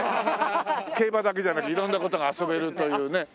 競馬だけじゃなく色んな事が遊べるというね。